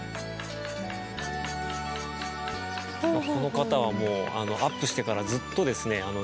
この方はもうアップしてからずっとですね